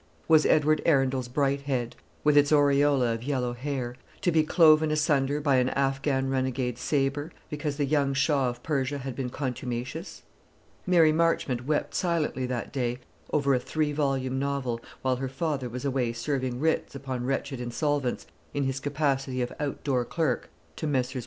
Was Edward Arundel's bright head, with its aureola of yellow hair, to be cloven asunder by an Affghan renegade's sabre, because the young Shah of Persia had been contumacious? Mary Marchmont wept silently that day over a three volume novel, while her father was away serving writs upon wretched insolvents, in his capacity of out door clerk to Messrs.